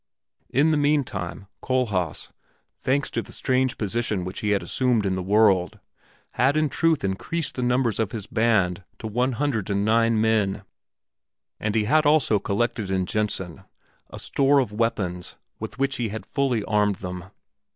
In the mean time Kohlhaas, thanks to the strange position which he had assumed in the world, had in truth increased the numbers of his band to one hundred and nine men, and he had also collected in Jessen a store of weapons with which he had fully armed them.